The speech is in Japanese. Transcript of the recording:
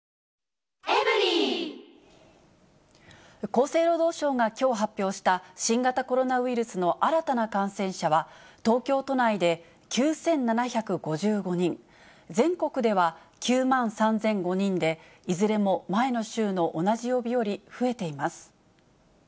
厚生労働省がきょう発表した新型コロナウイルスの新たな感染者は、東京都内で９７５５人、全国では９万３００５人で、いずれも前の週の同じ曜日より増えています。